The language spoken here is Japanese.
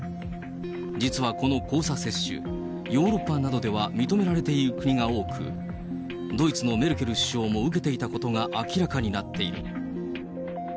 実はこの交差接種、ヨーロッパなどでは認められている国が多く、ドイツのメルケル首相も受けていたことが明らかになっている。